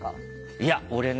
いや、俺ね